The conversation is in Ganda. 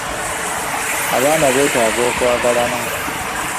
Abaana beetaaga okwagalana.